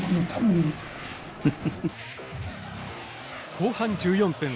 後半１４分。